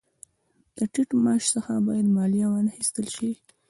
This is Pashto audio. د ټیټ معاش څخه باید مالیه وانخیستل شي